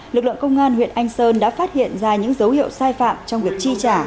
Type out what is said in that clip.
lực lượng công an huyện anh sơn đã phát hiện ra những dấu hiệu sai phạm trong việc chi trả